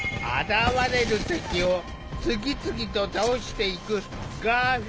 現れる敵を次々と倒していくガーフィール。